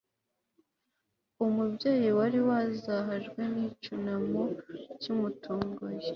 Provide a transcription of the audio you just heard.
umubyeyi wari wazahajwe n'icyunamo kimutunguye